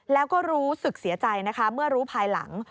แล้วก็รู้สึกเสียใจนะคะเมื่อรู้ภายหลัง